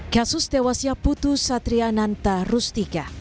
kasus tewasnya putu satriananta rustika